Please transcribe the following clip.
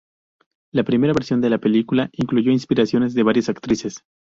La primera versión de la película incluyó inspiraciones de varias actrices.